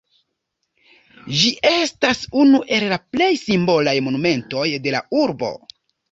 Ĝi estas unu el la plej simbolaj monumentoj de la urbo.